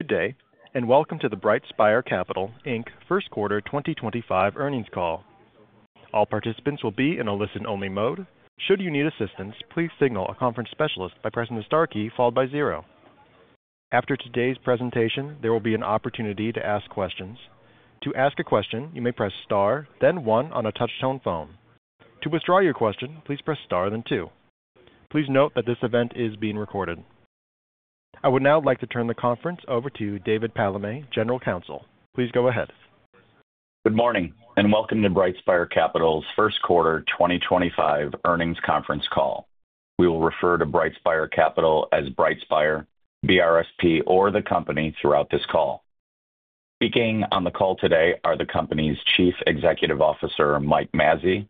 Good day and welcome to the BrightSpire Capital, Inc. First Quarter 2025 Earnings Call. All participants will be in a listen-only mode. Should you need assistance, please signal a conference specialist by pressing the star key followed by zero. After today's presentation, there will be an opportunity to ask questions. To ask a question, you may press star then one on a touch tone phone. To withdraw your question, please press star then two. Please note that this event is being recorded. I would now like to turn the conference over to David Palame, General Counsel. Please go ahead. Good morning and welcome to BrightSpire Capital's first quarter 2025 earnings conference call. We will refer to BrightSpire Capital as BrightSpire, BRSP, or the company throughout this call. Speaking on the call today are the Company's Chief Executive Officer Mike Mazzei,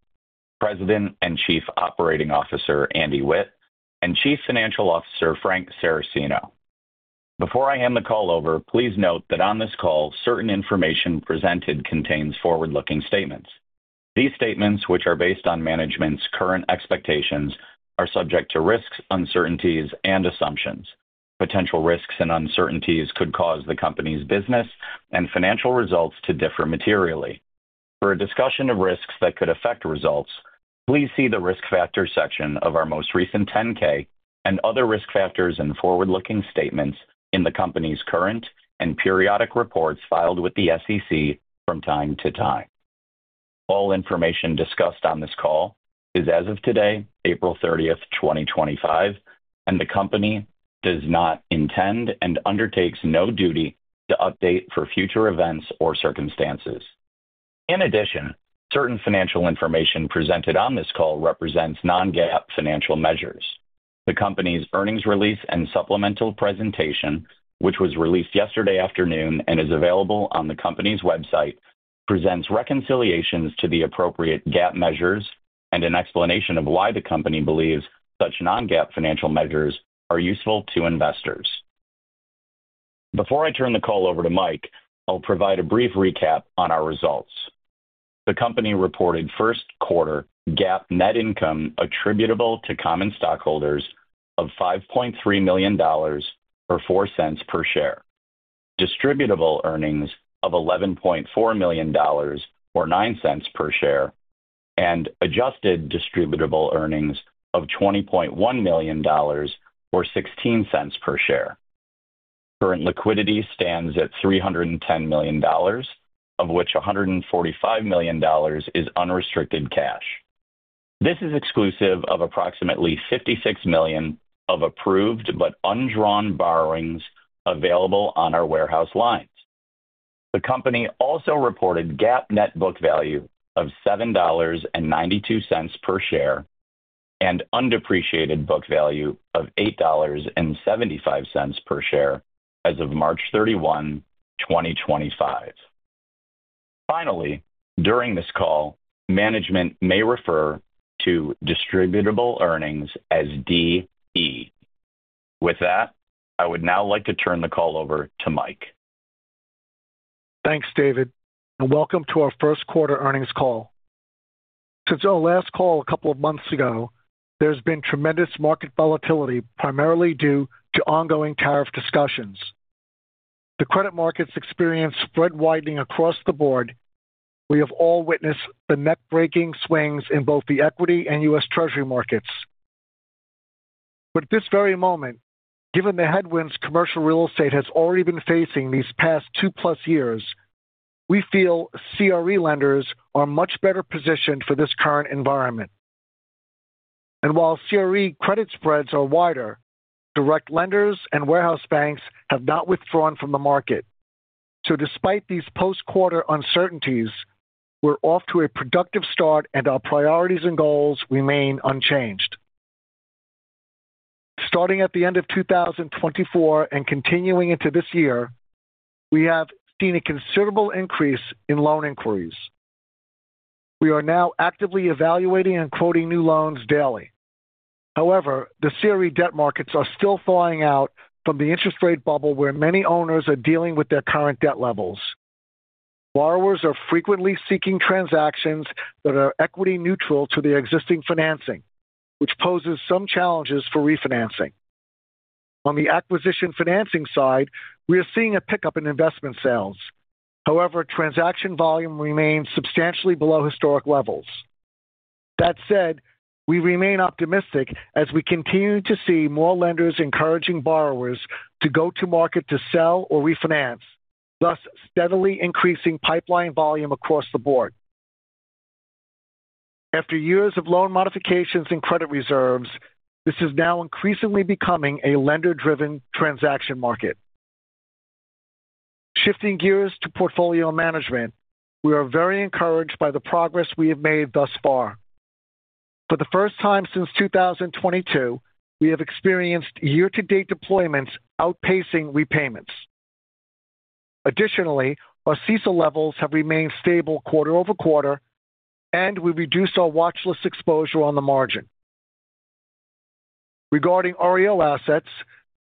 President and Chief Operating Officer Andy Witt, and Chief Financial Officer Frank Saracino. Before I hand the call over, please note that on this call certain information presented contains forward-looking statements. These statements, which are based on management's current expectations, are subject to risks, uncertainties, and assumptions. Potential risks and uncertainties could cause the Company's business and financial results to differ materially. For a discussion of risks that could affect results, please see the Risk Factors section of our most recent 10-K and other risk factors and forward-looking statements in the Company's current and periodic reports filed with the SEC from time to time. All information discussed on this call is as of today, April 30th, 2025, and the company does not intend and undertakes no duty to update for future events or circumstances. In addition, certain financial information presented on this call represents non-GAAP financial measures. The company's earnings release and supplemental presentation, which was released yesterday afternoon and is available on the company's website, presents reconciliations to the appropriate GAAP measures and an explanation of why the company believes such non-GAAP financial measures are useful to investors. Before I turn the call over to Mike, I'll provide a brief recap on our results. The company reported first quarter GAAP net income attributable to common stockholders of $5.3 million, or $0.04 per share, distributable earnings of $11.4 million or $0.09 per share, and adjusted distributable earnings of $20.1 million, or $0.16 per share. Current liquidity stands at $310 million, of which $145 million is unrestricted cash. This is exclusive of approximately $56 million of approved but undrawn borrowings available on our warehouse lines. The company also reported GAAP net book value of $7.92 per share and undepreciated book value of $8.75 per share as of March 31, 2025. Finally, during this call, management may refer to distributable earnings as DE. With that, I would now like to turn the call over to Mike. Thanks David and welcome to our first quarter earnings call. Since our last call a couple of months ago, there has been tremendous market volatility primarily due to ongoing tariff discussions. The credit markets experienced spread widening across the board. We have all witnessed the neck breaking swings in both the equity and U.S. Treasury markets, but at this very moment, given the headwinds commercial real estate has already been facing these past two plus years, we feel CRE lenders are much better positioned for this current environment. While CRE credit spreads are wider, direct lenders and warehouse banks have not withdrawn from the market. Despite these post quarter uncertainties, we're off to a productive start and our priorities and goals remain unchanged. Starting at the end of 2024 and continuing into this year, we have seen a considerable increase in loan inquiries. We are now actively evaluating and quoting new loans daily. However, the CRE debt markets are still thawing out from the interest rate bubble where many owners are dealing with their current debt levels. Borrowers are frequently seeking transactions that are equity neutral to the existing financing, which poses some challenges for refinancing. On the acquisition financing side, we are seeing a pickup in investment sales, however, transaction volume remains substantially below historic levels. That said, we remain optimistic as we continue to see more lenders encouraging borrowers to go to market to sell or refinance, thus steadily increasing pipeline volume across the board. After years of loan modifications and credit reserves, this is now increasingly becoming a lender driven transaction market. Shifting gears to portfolio management, we are very encouraged by the progress we have made thus far. For the first time since 2022 we have experienced year to date deployments outpacing repayments. Additionally, our CECL levels have remained stable quarter over quarter and we reduced our watch list exposure on the margin regarding REO assets.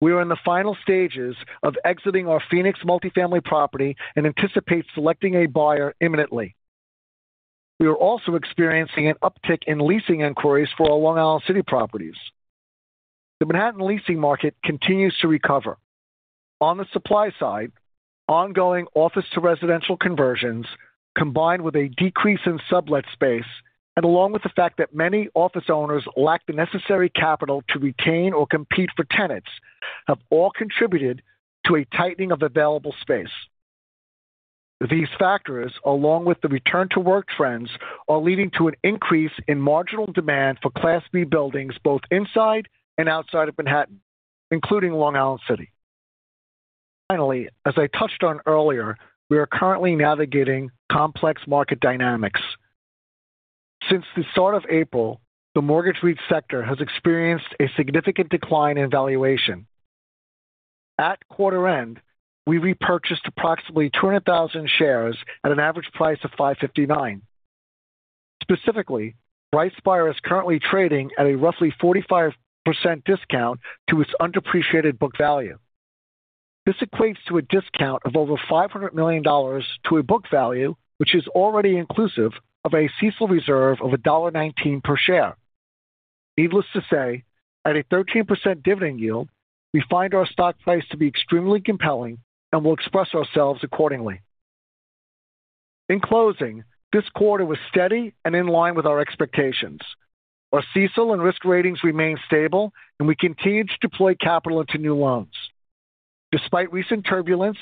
We are in the final stages of exiting our Phoenix multifamily property and anticipate selecting a buyer imminently. We are also experiencing an uptick in leasing inquiries for our Long Island City properties. The Manhattan leasing market continues to recover. On the supply side, ongoing office to residential conversions combined with a decrease in sublet space and along with the fact that many office owners lack the necessary capital to retain or compete for tenants have all contributed to a tightening of available space. These factors, along with the return to work trends, are leading to an increase in marginal demand for Class B buildings both inside and outside of Manhattan, including Long Island City. Finally, as I touched on earlier, we are currently navigating complex market dynamics. Since the start of April, the mortgage REIT sector has experienced a significant decline in valuation. At quarter end, we repurchased approximately 200,000 shares at an average price of $5.59. Specifically, BrightSpire is currently trading at a roughly 45% discount to its undepreciated book value. This equates to a discount of over $500 million to a book value which is already inclusive of a CECL reserve of $1.19 per share. Needless to say, at a 13% dividend yield, we find our stock price to be extremely compelling and will express ourselves accordingly. In closing, this quarter was steady and in line with our expectations. Our CECL and risk ratings remain stable and we continue to deploy capital into new loans. Despite recent turbulence,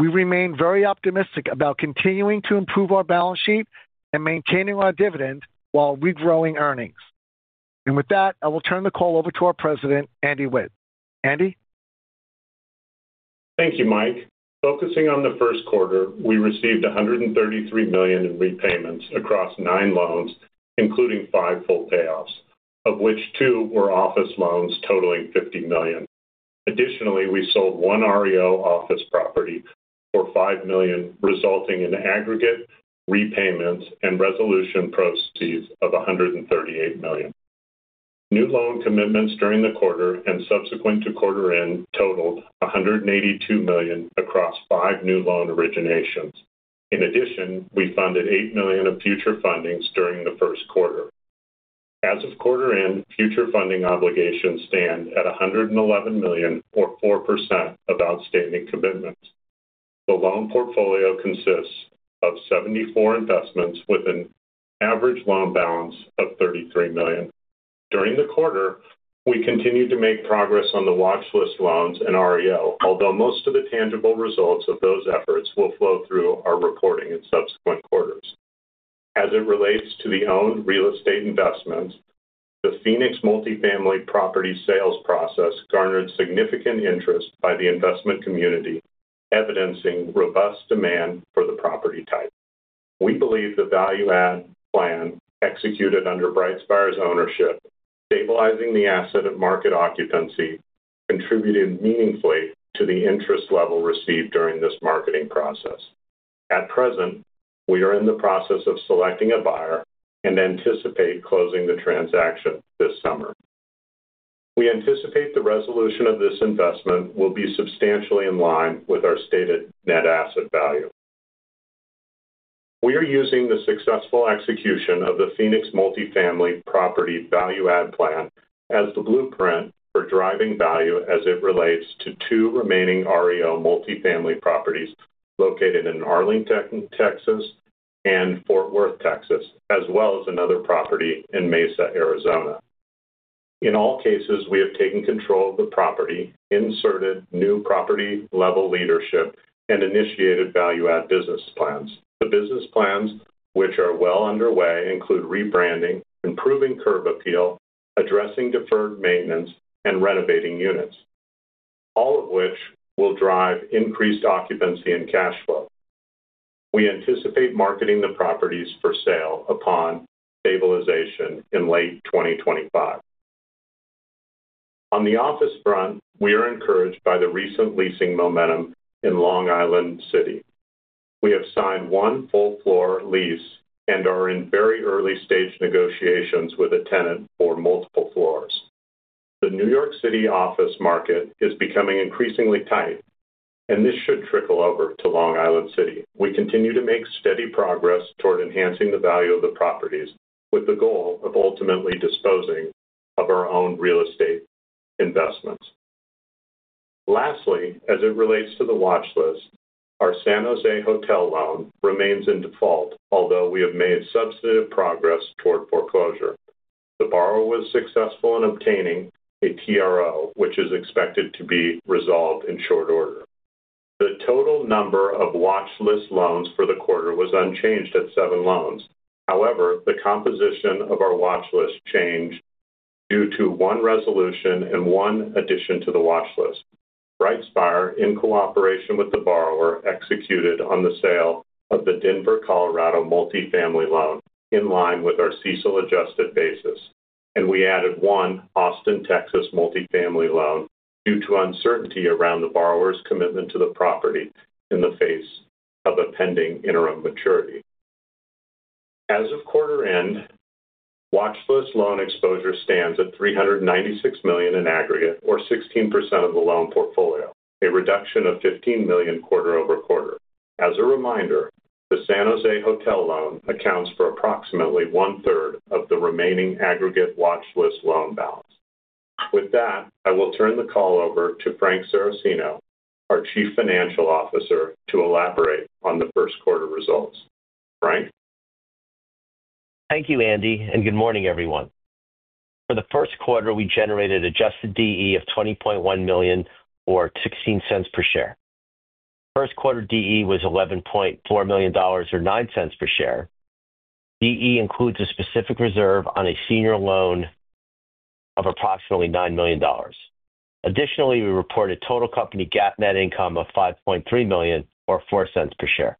we remain very optimistic about continuing to improve our balance sheet and maintaining our dividend while regrowing earnings. With that, I will turn the call over to our President, Andy Witt. Andy. Thank you Mike. Focusing on the first quarter, we received $133 million in repayments across nine loans, including five full payoffs of which two were office loans totaling $50 million. Additionally, we sold one REO office property for $5 million, resulting in aggregate repayments and resolution proceeds of $138 million. New loan commitments during the quarter and subsequent to quarter end totaled $182 million across five new loan originations. In addition, we funded $8 million of future fundings during the first quarter. As of quarter end, future funding obligations stand at $111 million, or 4% of outstanding commitments. The loan portfolio consists of 74 investments with an average loan balance of $33 million. During the quarter, we continued to make progress on the watch list loans and REO, although most of the tangible results of those efforts will flow through our reporting in subsequent quarters. As it relates to the owned real estate investments, the Phoenix multifamily property sales process garnered significant interest by the investment community, evidencing robust demand for the property type. We believe the value add plan executed under BrightSpire's ownership, stabilizing the asset at market occupancy, contributed meaningfully to the interest level received during this marketing process. At present, we are in the process of selecting a buyer and anticipate closing the transaction this summer. We anticipate the resolution of this investment will be substantially in line with our stated net asset value. We are using the successful execution of the Phoenix multifamily property value add plan as the blueprint for driving value as it relates to two remaining REO multifamily properties located in Arlington, Texas and Fort Worth, Texas, as well as another property in Mesa, Arizona. In all cases, we have taken control of the property, inserted new property level leadership and initiated value add business plans. The business plans, which are well underway, include rebranding, improving curb appeal, addressing deferred maintenance and renovating units, all of which will drive increased occupancy and cash flow. We anticipate marketing the properties for sale upon stabilization in late 2025. On the office front, we are encouraged by the recent leasing momentum in Long Island City. We have signed one full floor lease and are in very early stage negotiations with a tenant for multiple floors. The New York City office market is becoming increasingly tight and this should trickle over to Long Island City. We continue to make steady progress toward enhancing the value of the properties with the goal of ultimately disposing of our own real estate investments. Lastly, as it relates to the watch list, our San Jose hotel loan remains in default, although we have made substantive progress toward foreclosure. The borrower was successful in obtaining a TRO, which is expected to be resolved in short order. The total number of watch list loans for the quarter was unchanged at seven loans. However, the composition of our watch list changed due to one resolution and one addition to the watch list. BrightSpire, in cooperation with the borrower, executed on the sale of the Denver, Colorado multifamily loan in line with our CECL adjusted basis, and we added one Austin, Texas multifamily loan due to uncertainty around the borrower's commitment to the property in the face of a pending interim maturity. As of quarter end, watch list loan exposure stands at $396 million in aggregate or 16% of the loan portfolio, a reduction of $15 million quarter over quarter. As a reminder, the San Jose Hotel loan accounts for approximately one third of the remaining aggregate watch list loan balance. With that, I will turn the call over to Frank Saracino, our Chief Financial Officer, to elaborate on the first quarter results. Frank, Thank you, Andy, and good morning everyone. For the first quarter, we generated adjusted DE of $20.1 million or $0.16 per share. First quarter DE was $11.4 million or $0.09 per share. DE includes a specific reserve on a senior loan of approximately $9 million. Additionally, we reported total company GAAP net income of $5.3 million or $0.04 per share.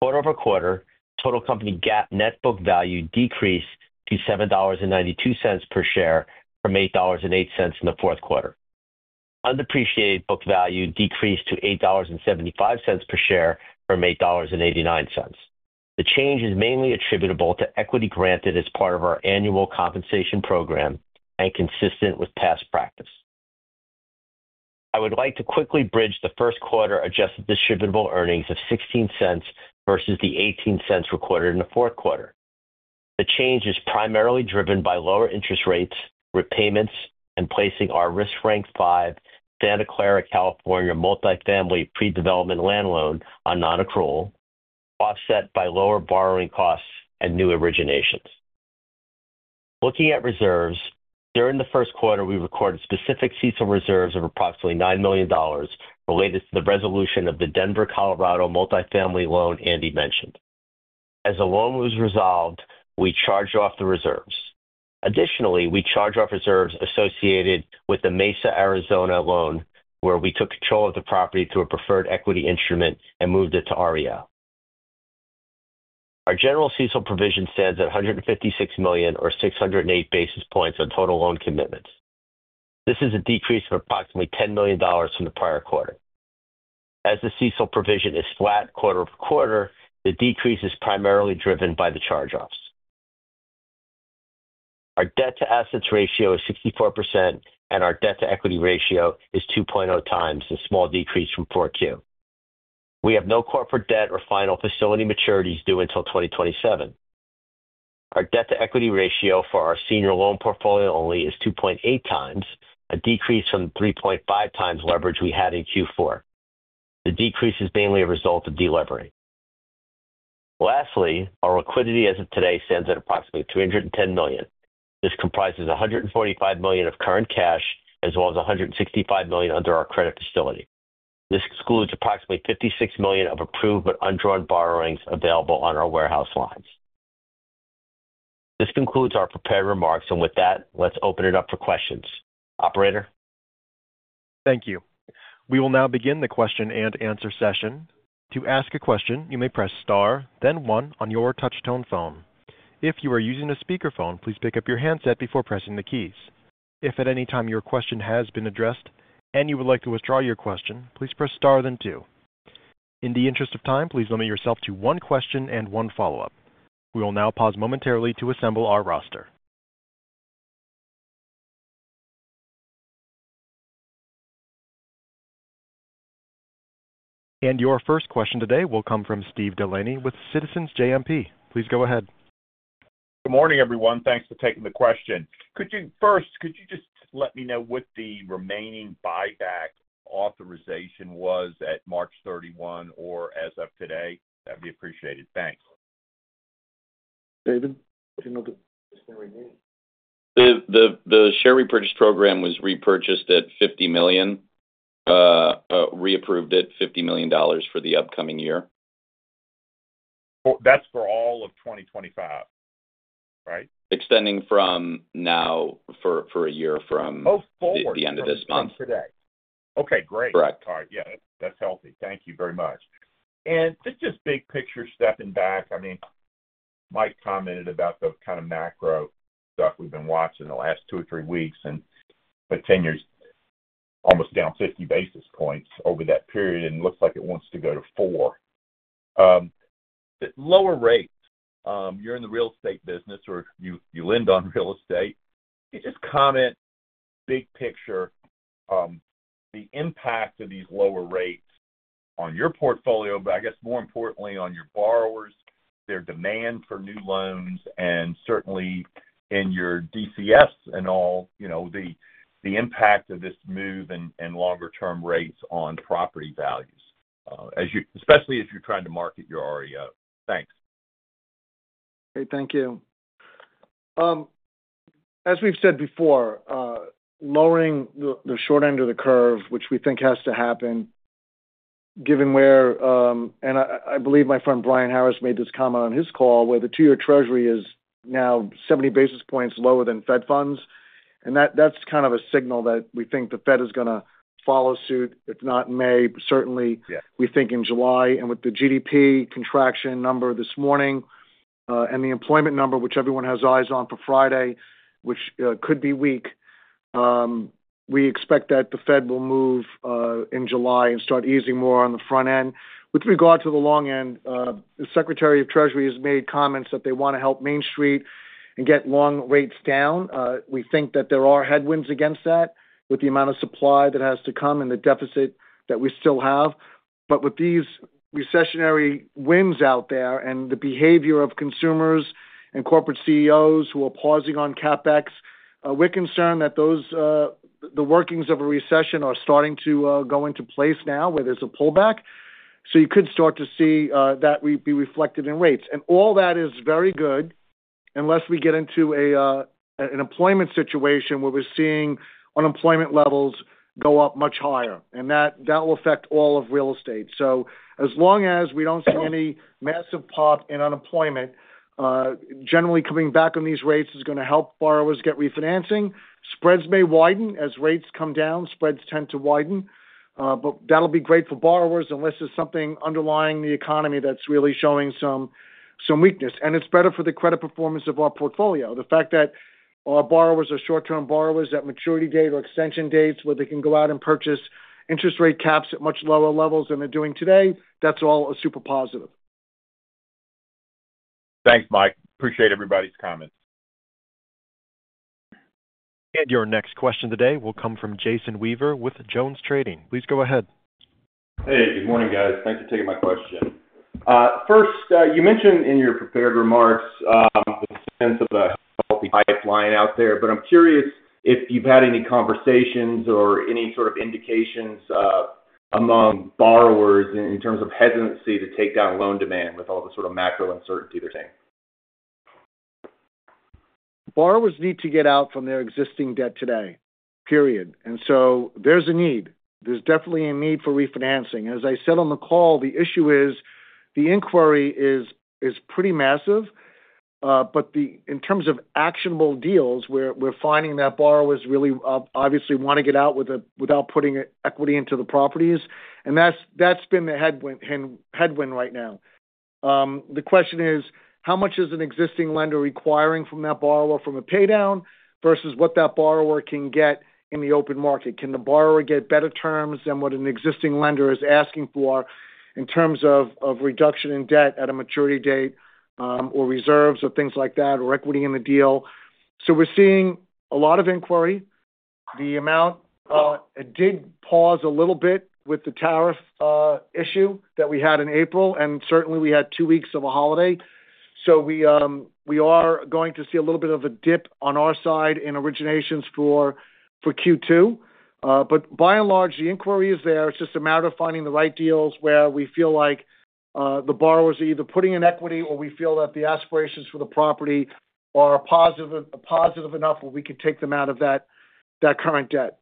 Quarter over quarter, total company GAAP net book value decreased to $7.92 per share from $8.08 in the fourth quarter. Undepreciated book value decreased to $8.75 per share from $8.89. The change is mainly attributable to equity granted as part of our annual compensation program and consistent with past practice. I would like to quickly bridge the first quarter adjusted distributable earnings of $0.16 versus the $0.18 recorded in the fourth quarter. The change is primarily driven by lower interest rates, repayments and placing our risk rank 5 Santa Clara, California multifamily pre-development land loan on non-accrual offset by lower borrowing costs and new originations. Looking at reserves during the first quarter, we recorded specific CECL reserves of approximately $9 million related to the resolution of the Denver, Colorado multifamily loan Andy mentioned. As the loan was resolved, we charged off the reserves. Additionally, we charged off reserves associated with the Mesa, Arizona loan where we took control of the property through a preferred equity instrument and moved it to REO. Our general CECL provision stands at $156 million or 608 basis points on total loan commitments. This is a decrease of approximately $10 million from the prior quarter. As the CECL provision is flat quarter over quarter, the decrease is primarily driven by the charge offs. Our debt to assets ratio is 64% and our debt to equity ratio is 2.0 times, a small decrease from Q4. We have no corporate debt or final facility maturities due until 2027. Our debt to equity ratio for our senior loan portfolio only is 2.8 times, a decrease from 3.5 times leverage we had in Q4. The decrease is mainly a result of delevering. Lastly, our liquidity as of today stands at approximately $310 million. This comprises $145 million of current cash as well as $165 million under our credit facility. This excludes approximately $56 million of approved but undrawn borrowings available on our warehouse lines. This concludes our prepared remarks and with that let's open it up for questions. Operator, Thank you. We will now begin the question and answer session. To ask a question, you may press Star then one on your touchtone phone. If you are using a speakerphone, please pick up your handset before pressing the keys. If at any time your question has been addressed and you would like to withdraw your question, please press Star then two. In the interest of time, please limit yourself to one question and one follow up. We will now pause momentarily to assemble our roster. Your first question today will come from Steve Delaney with Citizens JMP. Please go ahead. Good morning everyone. Thanks for taking the question. Could you first, could you just let me know what the remaining buyback authorization was at March 31 or as of today? That'd be appreciated. Thanks, David. The share repurchase program was repurchased at $50 million, reapproved at $50 million for the upcoming year. That's for all of 2025, right. Extending from now for a year from the end of this month. Okay, great. That's healthy. Thank you very much. It's just big picture. Stepping back. I mean, Mike commented about the kind of macro stuff we've been watching the last two or three weeks and the ten-year's almost down 50 basis points over that period and looks like it wants to go to four lower rates. You're in the real estate business or you lend on real estate, you just comment big picture, the impact of these lower rates on your portfolio, but I guess more importantly on your borrowers, their demand for new loans and certainly in your DCFs and all, you know, the impact of this move and longer term rates on property values, especially if you're trying to market your REO. Thanks. Thank you. As we've said before, lowering the short end of the curve, which we think has to happen given where, and I believe my friend Brian Harris made this comment on his call where the two year Treasury is now 70 basis points lower than Fed funds. That's kind of a signal that we think the Fed is going to follow suit, if not May, certainly we think in July and with the GDP contraction number this morning and the employment number which everyone has eyes on for Friday, which could be weak, we expect that the Fed will move in July and start easing more on the front end. With regard to the long end, the Secretary of Treasury has made comments that they want to help Main Street and get long rates down. We think that there are headwinds against that with the amount of supply that has to come and the deficit that we still have. With these recessionary winds out there and the behavior of consumers and corporate CEOs who are pausing on CapEx, we're concerned that the workings of a recession are starting to go into place now where there's a pullback. You could start to see that be reflected in rates and all that is very good. Unless we get into an employment situation where we're seeing unemployment levels go up much higher and that will affect all of real estate. As long as we don't see any massive pop in unemployment generally, coming back on these rates is going to help borrowers get refinancing. Spreads may widen as rates come down, spreads tend to widen, but that'll be great for borrowers unless there's something underlying the economy that's really showing some weakness and it's better for the credit performance of our portfolio. The fact that our borrowers are short term borrowers at maturity date or extension dates where they can go out and purchase interest rate caps at much lower levels than they're doing today, that's all a super positive. Thanks Mike. Appreciate everybody's comments. Your next question today will come from Jason Weaver with Jones Trading. Please go ahead. Hey, good morning guys. Thanks for taking my question first. You mentioned in your prepared remarks the sense of the healthy pipeline out there. I'm curious if you've had any conversations or any sort of indications among borrowers in terms of hesitancy to take down loan demand with all the sort of macro uncertainty they're saying. Borrowers need to get out from their existing debt today, period. There is a need, there is definitely a need for refinancing. As I said on the call, the issue is the inquiry is pretty massive. In terms of actionable deals, we're finding that borrowers really obviously want to get out without putting equity into the properties. That has been the headwind. Right now the question is how much is an existing lender requiring from that borrower from a pay down versus what that borrower can get in the open market. Can the borrower get better terms than what an existing lender is asking for in terms of reduction in debt at a maturity date or reserves or things like that or equity in the deal. We are seeing a lot of inquiry. The amount it did pause a little bit with the tariff issue that we had in April and certainly we had two weeks of a holiday. We are going to see a little bit of a dip on our side in originations for Q2. By and large the inquiry is there. It's just a matter of finding the right deals where we feel like the borrowers are either putting in equity or we feel that the aspirations for the property are positive enough where we can take them out of that current debt.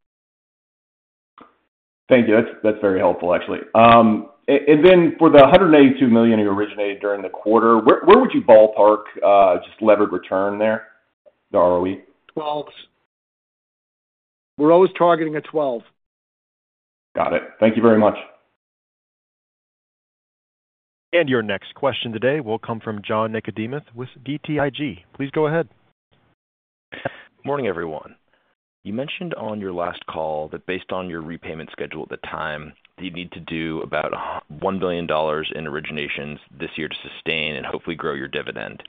Thank you. That's very helpful actually. For the $182 million you originated during the quarter, where would you ballpark just levered return there? The ROE 12s. We're always targeting a 12. Got it. Thank you very much. Your next question today will come from John Nickodemus with DTIG. Please go ahead. Morning everyone. You mentioned on your last call that based on your repayment schedule at the time that you need to do about $1 billion in originations this year to sustain and hopefully grow your dividend.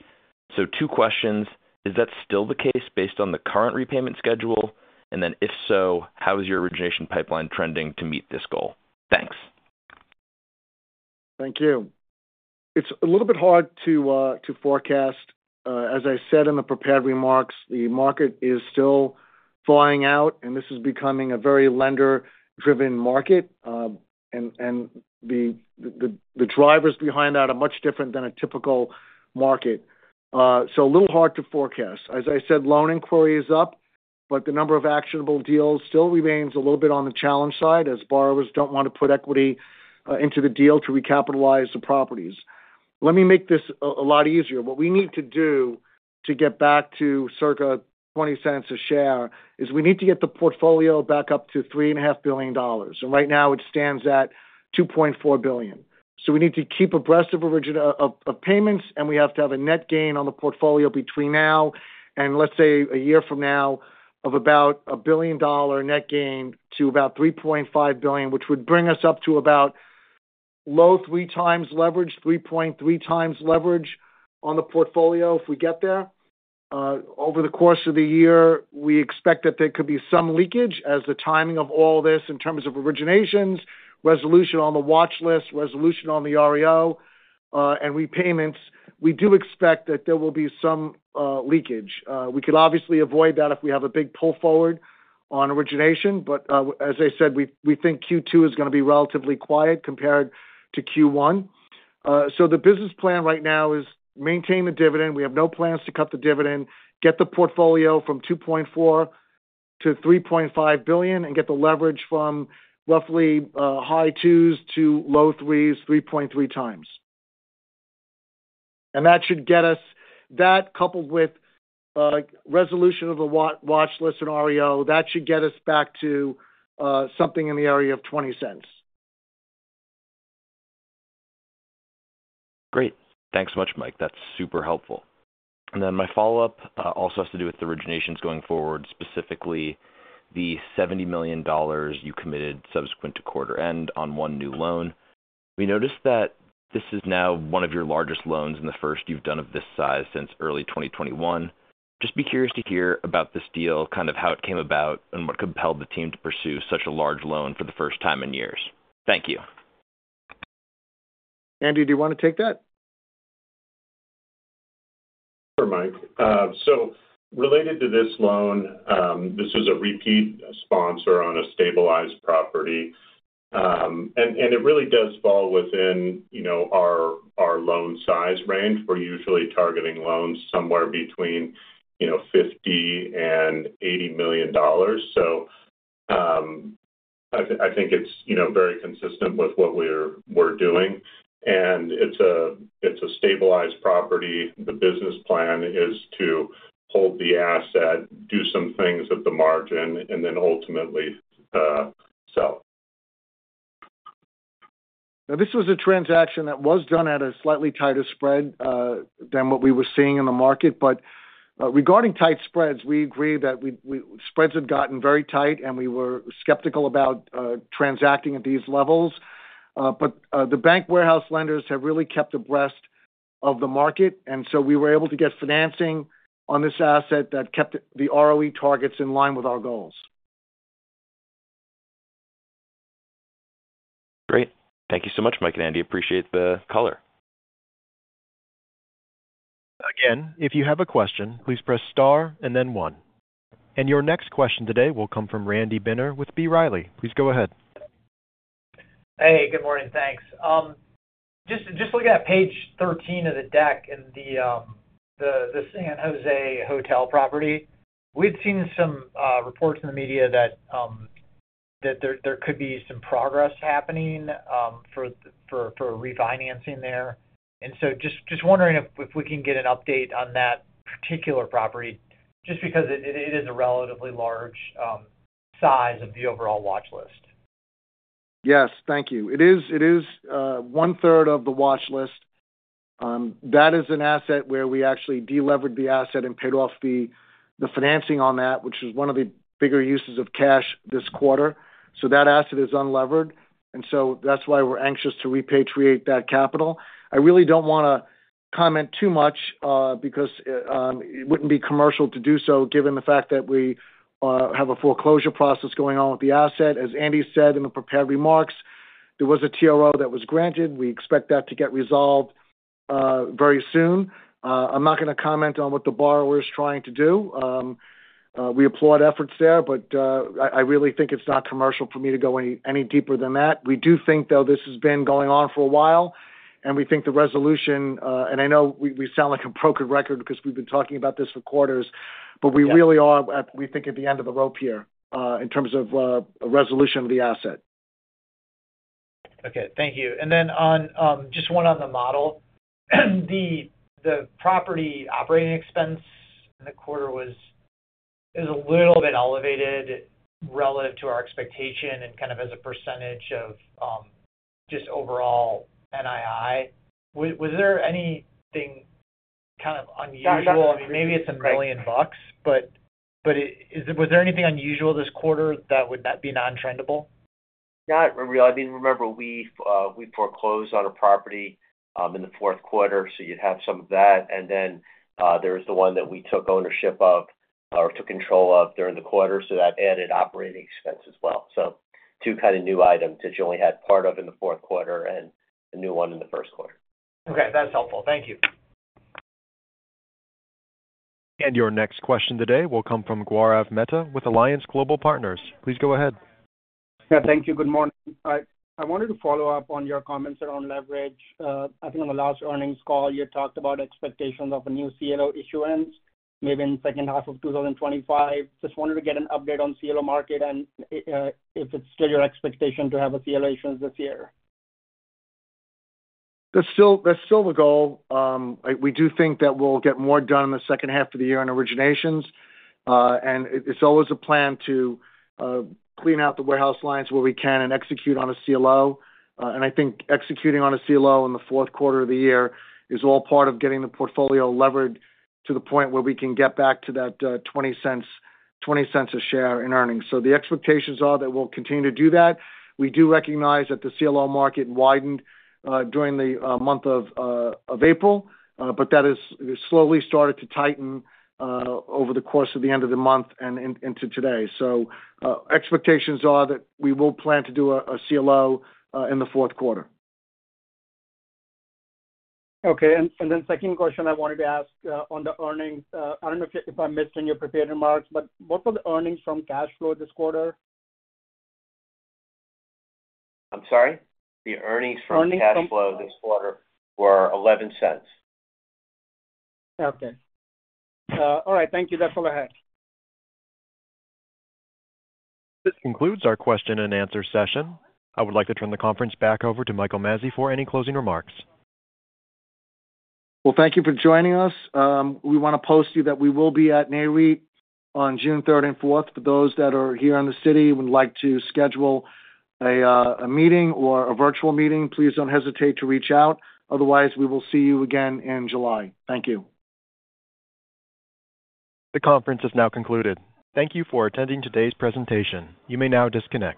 Two questions. Is that still the case based on the current repayment schedule? If so, how is your origination pipeline trending to meet this goal? Thanks. Thank you. It's a little bit hard to forecast. As I said in the prepared remarks, the market is still flying out and this is becoming a very lender driven market and the drivers behind that are much different than a typical market. A little hard to forecast. As I said, loan inquiry is up, but the number of actionable deals still remains a little bit on the challenge side as borrowers don't want to put equity into the deal to recapitalize the properties. Let me make this a lot easier. What we need to do to get back to circa $0.20 a share is we need to get the portfolio back up to $3.5 billion. Right now it stands at $2.4 billion. We need to keep abreast of payments and we have to have a net gain on the portfolio between now and let's say a year from now of about a $1 billion net gain to about $3.5 billion, which would bring us up to about low 3 times leverage, 3.3 times leverage on the portfolio if we get there over the course of the year. We expect that there could be some leakage as the timing of all this in terms of originations, resolution on the watch list, resolution on the REO and repayments, we do expect that there will be some leakage. We could obviously avoid that if we have a big pull forward on origination. As I said, we think Q2 is going to be relatively quiet compared to Q1. The business plan right now is maintain the dividend. We have no plans to cut the dividend, get the portfolio from $2.4 billion-$3.5 billion and get the leverage from roughly high twos to low threes, 3.3 times. That should get us, that coupled with resolution of the watch list in REO, that should get us back to something in the area of $0.20. Great. Thanks so much, Mike. That's super helpful. My follow up also has to do with originations going forward. Specifically the $70 million you committed subsequent to quarter end on one new loan. We notice that this is now one of your largest loans and the first you've done of this size since early 2021. Just be curious to hear about this deal, kind of how it came about and what compelled the team to pursue such a large loan for the first time in years. Thank you. Andy, do you want to take that? Related to this loan, this is a repeat sponsor on a stabilized property and it really does fall within our loan size range. We're usually targeting loans somewhere between, you know, $50 million and $80 million. I think it's, you know, very consistent with what we're doing. It's a stabilized property. The business plan is to hold the asset, do some things at the margin and then ultimately sell. Now, this was a transaction that was done at a slightly tighter spread than what we were seeing in the market. Regarding tight spreads, we agree that spreads had gotten very tight and we were skeptical about transacting at these levels. The bank warehouse lenders have really kept abreast of the market and so we were able to get financing on this asset that kept the ROE targets in line with our goals. Great. Thank you so much, Mike and Andy. Appreciate the call. Again, if you have. A question, please press star and then one and your next question today will come from Randy Binner with B. Riley. Please go ahead. Hey, good morning. Thanks. Just looking at page 13 of the deck and the San Jose hotel property. We've seen some reports in the media that there could be some progress happening for refinancing. There's, and so just wondering if we can get an update on that particular property just because it is a relatively large size of the overall watch list. Yes, thank you. It is one third of the watch list that is an asset where we actually delevered the asset and paid off the financing on that, which is one of the bigger uses of cash this quarter. That asset is unlevered and that is why we are anxious to repatriate that capital. I really do not want to comment too much because it would not be commercial to do so given the fact that we have a foreclosure process going on with the asset. As Andy said in the prepared remarks, there was a TRO that was granted. We expect that to get resolved very soon. I am not going to comment on what the borrower is trying to do. We applaud efforts there, but I really think it is not commercial for me to go any deeper than that. We do think though, this has been going on for a while and we think the resolution, and I know, we sound like a broken record because we've been talking about this for quarters, but we really are, we think, at the end of the rope here in terms of resolution of the asset. Okay, thank you. On just one on the model, the property operating expense in the quarter was a little bit elevated relative to our expectation and kind of as a percentage of just overall. NII, was there anything kind of unusual? I mean, maybe it's a million bucks, but was there anything unusual this quarter that would not be non trendable? Not really. I mean, remember, we foreclosed on a property in the fourth quarter, so you'd have some of that. There was the one that we took ownership of or took control of during the quarter, so that added operating expense as well. Two kind of new items that you only had part of in the fourth quarter and a new one in the first quarter. Okay, that's helpful. Thank you. Your next question today will come from Gaurav Mehta with Alliance Global Partners. Please go ahead. Thank you. Good morning. I wanted to follow up on your comments around leverage. I think on the last earnings call you talked about expectations of a new CLO issuance maybe in second half of 2025. Just wanted to get an update on CLO market. If it's still your expectation to have a CLO issuance this year. That's still the goal. We do think that we'll get more done in the second half of the year in originations. It's always a plan to clean out the warehouse lines where we can and execute on a CLO. I think executing on a CLO in the fourth quarter of the year is all part of getting the portfolio levered to the point where we can get back to that $0.20, $0.20 a share in earnings. The expectations are that we'll continue to do that. We do recognize that the CLO market widened during the month of April, but that has slowly started to tighten over the course of the end of the month and into today. Expectations are that we will plan to do a CLO in the fourth quarter. Okay. Second question I wanted to ask on the earnings. I do not know if I missed in your prepared remarks, but what were the earnings from cash flow this quarter? I'm sorry, the earnings from cash flow this quarter were $0.11. Okay. All right, thank you. That's all I had. This concludes our question and answer session. I would like to turn the conference back over to Michael Mazzei for any closing remarks. Thank you for joining us. We want to post you that we will be at NAREIT on June 3rd and 4th. For those that are here in the city and would like to schedule a meeting or a virtual meeting, please do not hesitate to reach out. Otherwise, we will see you again in July. Thank you. The conference has now concluded. Thank you for attending today's presentation. You may now disconnect.